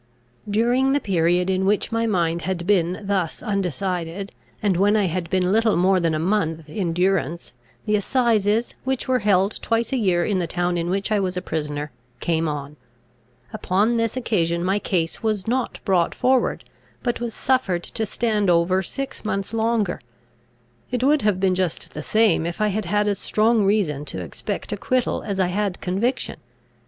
During the period in which my mind had been thus undecided, and when I had been little more than a month in durance, the assizes, which were held twice a year in the town in which I was a prisoner, came on. Upon this occasion my case was not brought forward, but was suffered to stand over six months longer. It would have been just the same, if I had had as strong reason to expect acquittal as I had conviction.